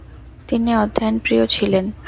তিনি অধ্যয়নপ্রিয় ছিলেন।